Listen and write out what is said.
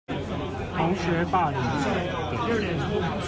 同學霸凌